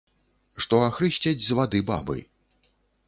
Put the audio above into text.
Што ахрысцяць з вады бабы.